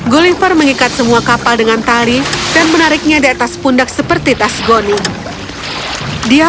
gulliver mengikat semua kapal dengan tali dan menariknya di atas pundak seperti tas goni dia